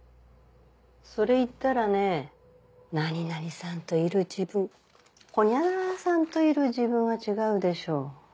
それ言ったらね何々さんといる自分ほにゃららさんといる自分は違うでしょう。